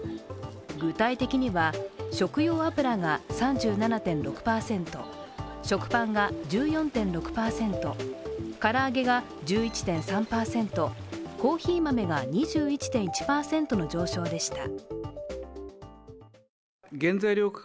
具体的には、食用油が３７．６％、食パンが１４．６％、唐揚げが１１．３％、コーヒー豆が２１．１％の上昇でした。